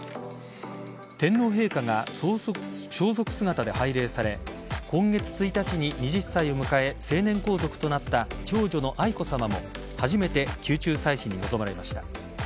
天皇陛下が装束姿で拝礼され今月１日に２０歳を迎え成年皇族となった長女の愛子さまも初めて宮中祭祀に臨まれました。